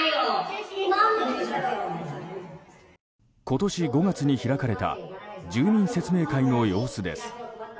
今年５月に開かれた住民説明会の様子です。